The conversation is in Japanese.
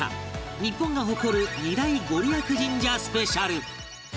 日本が誇る２大ご利益神社スペシャル